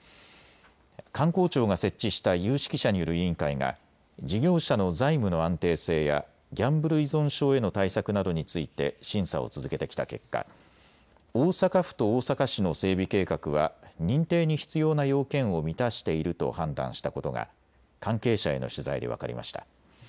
観光庁が設置した有識者による委員会が事業者の財務の安定性やギャンブル依存症への対策などについて審査を続けてきた結果、大阪府と大阪市の整備計画は認定に必要な要件を満たしていると判断したことが関係者への取材で分かりました。